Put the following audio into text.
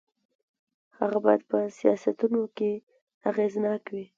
هغه باید په سیاستونو کې اغېزناک وي.